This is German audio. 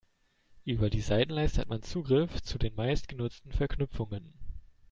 Über die Seitenleiste hat man Zugriff zu den meistgenutzten Verknüpfungen.